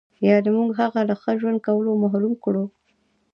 یعنې موږ هغه له ښه ژوند کولو محروم کړو.